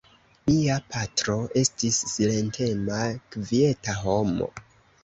Mia patro estis silentema kvieta homo.